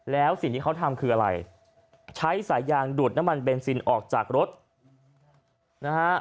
แล้วสิ่งที่เขาทำคืออะไรใช้สายยางดูดน้ำมันเบนซินออกจากรถนะฮะ